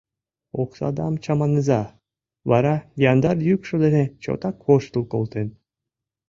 Оксадам чаманыза, — вара яндар йӱкшӧ дене чотак воштыл колтен.